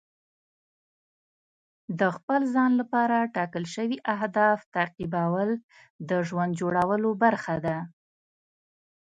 د خپل ځان لپاره ټاکل شوي اهداف تعقیبول د ژوند جوړولو برخه ده.